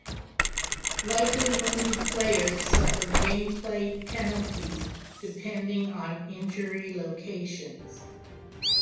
Lightly wounded players suffer gameplay penalties depending on injury locations.